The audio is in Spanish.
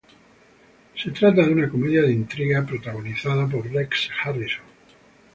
Se trata de una comedia de intriga, protagonizada por Rex Harrison.